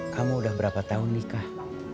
kamu udah berapa tahun nikah